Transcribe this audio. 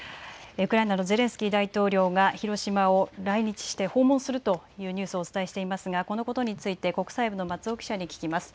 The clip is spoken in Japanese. ウクライナのゼレンスキー大統領が広島を来日して訪問するというニュースをお伝えしていますがこのことについて国際部の松尾記者に聞きます。